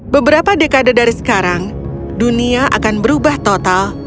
beberapa dekade dari sekarang dunia akan berubah total